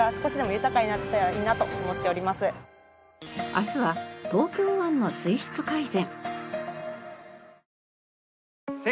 明日は東京湾の水質改善。